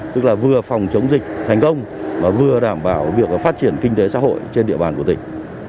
tức là vừa phòng chống dịch thành công mà vừa đảm bảo việc phát triển kinh tế xã hội trên địa bàn của tỉnh